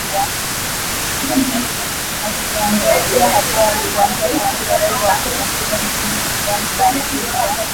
akiangazia hatua ya kuanza kuandikishwa kwa wapiga kura nchini sudan kwa ajili ya